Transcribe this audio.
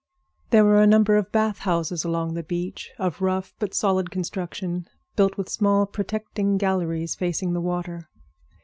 There were a number of bath houses along the beach, of rough but solid construction, built with small, protecting galleries facing the water.